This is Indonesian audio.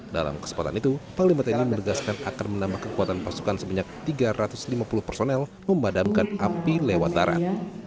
dalam kesempatan itu panglima tni menegaskan akan menambah kekuatan pasukan sebanyak tiga ratus lima puluh personel memadamkan api lewat darat